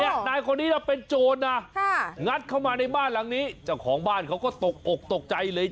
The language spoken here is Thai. นายคนนี้เป็นโจรนะงัดเข้ามาในบ้านหลังนี้เจ้าของบ้านเขาก็ตกอกตกใจเลย